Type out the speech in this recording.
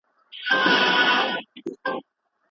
ایا غیر اقتصادي شرایط په اقتصادي وده کي رول لري؟